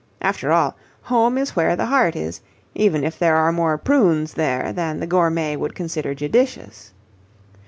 After all, home is where the heart is, even if there are more prunes there than the gourmet would consider judicious.